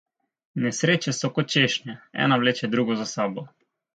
Nesreče so kot češnje, ena vleče drugo za sabo.